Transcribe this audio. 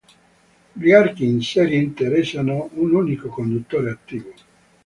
Gli archi in serie interessano un unico conduttore attivo.